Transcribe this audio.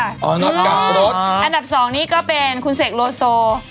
อ๋อน็อตกราบรถอันดับ๒นี้ก็เป็นคุณเศษรสโซ